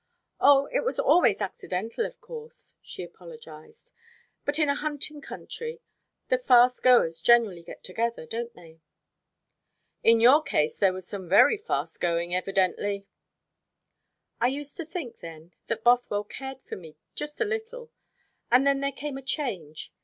"O, it was always accidental, of course," she apologised. "But in a hunting country, the fast goers generally get together, don't they?" "In your case there was some very fast going, evidently." "I used to think then that Bothwell cared for me just a little. And then there came a change.